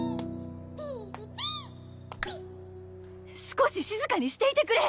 少ししずかにしていてくれ！